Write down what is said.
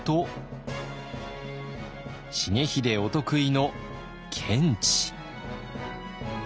重秀お得意の検地。